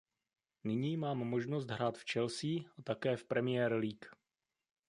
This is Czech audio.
Nyní mám možnost hrát za Chelsea a také v Premier League.